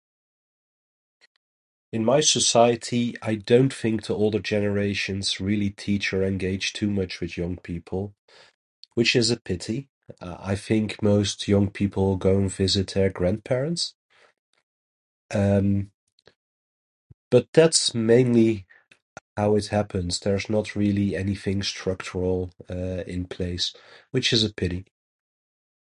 In my society, I don't think that all the generations really teach or engage too much with young people, which is a pity. Uh, I think most young people go and visit their grandparents. Um, but that's mainly how it's happens. There's not really anything structural, uh, in place, which is a pity.